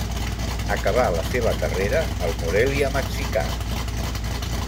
Acabà la seva carrera al Morelia mexicà.